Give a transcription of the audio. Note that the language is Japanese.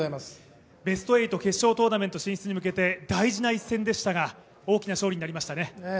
ベスト８、決勝トーナメント進出に向けて大事な一戦でしたが大きな勝利になりましたね。